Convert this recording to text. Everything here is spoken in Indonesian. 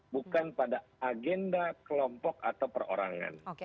bukan pada agenda kelompok atau perorangan